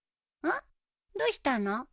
どうしたの？